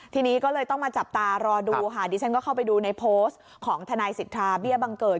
ทีนี้ก็เลยต้องมาจับตารอดูค่ะดิฉันก็เข้าไปดูในโพสต์ของทนายสิทธาเบี้ยบังเกิด